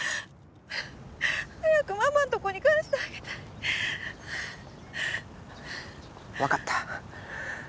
早くママんとこに返してあげたい分かった